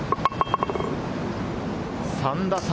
３打差。